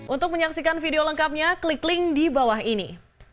untuk menyaksikan video lengkapnya klik link di bawah ini